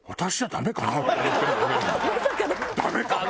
ダメかな？